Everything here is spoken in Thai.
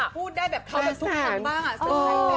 พูดได้แบบทั้งทุกคำบ้าง